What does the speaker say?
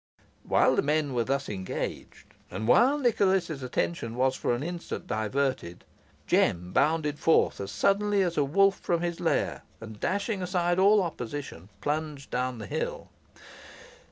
While the men were thus engaged, and while Nicholas's attention was for an instant diverted, Jem bounded forth as suddenly as a wolf from his lair, and, dashing aside all opposition, plunged down the hill.